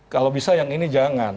kalau bisa yang ini jangan